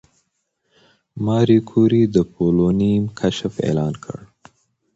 ماري کوري د پولونیم کشف اعلان کړ.